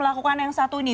lakukan yang satu ini